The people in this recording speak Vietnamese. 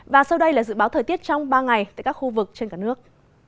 và sau đây là dự báo thời tiết trong ba ngày tại các khu vực trên cả nước